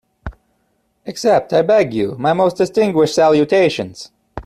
Accept, I beg you, my most distinguished salutations.